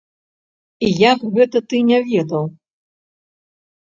І як гэта ты не ведаў?